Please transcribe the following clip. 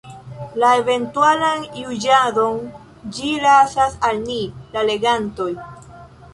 La eventualan juĝadon ĝi lasas al ni, la legantoj.